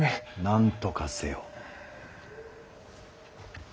なんとかせよ。